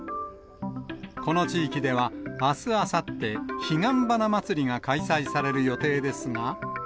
この地域では、あす、あさって、ひがん花まつりが開催される予定ですが。